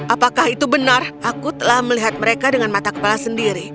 apakah itu benar aku telah melihat mereka dengan mata kepala sendiri